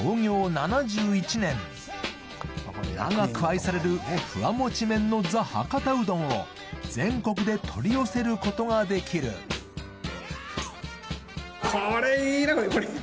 ７１年長く愛されるふわもち麺のザ・博多うどんを全国で取り寄せることができるこれいいな！